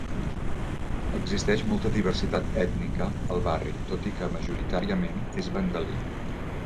Existeix molta diversitat ètnica al barri, tot i que majoritàriament és bengalí.